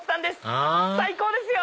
あ最高ですよ！